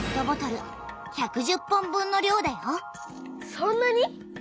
そんなに？